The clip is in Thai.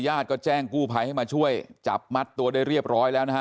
ก็แจ้งกู้ภัยให้มาช่วยจับมัดตัวได้เรียบร้อยแล้วนะฮะ